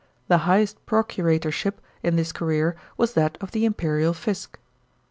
The highest procuratorship in this career was that of the imperial fisc.